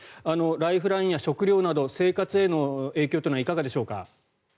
ライフラインや食料など生活への影響というのはいかがでしょうか？